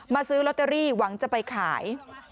ซื้อลอตเตอรี่หวังจะไปขาย